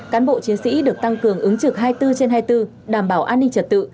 cán bộ chiến sĩ được tăng cường ứng trực hai mươi bốn trên hai mươi bốn đảm bảo an ninh trật tự